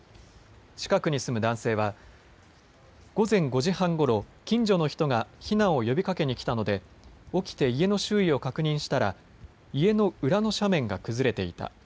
近くに住む男性は、午前５時半ごろ、近所の人が避難を呼びかけに来たので起きて家の周囲を確認したら家の裏の斜面が崩れていた。